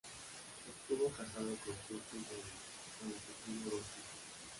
Estuvo casado con Suzy Daniels, con la que tuvo dos hijos.